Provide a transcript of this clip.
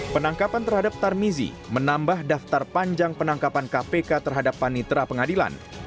penangkapan terhadap tarmizi menambah daftar panjang penangkapan kpk terhadap panitra pengadilan